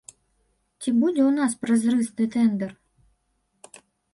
Ці будзе ў нас празрысты тэндэр?